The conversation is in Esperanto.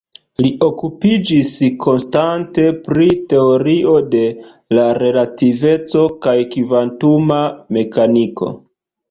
Li okupiĝis konstante pri Teorio de la relativeco kaj kvantuma mekaniko.